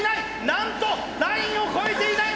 なんとラインを越えていない！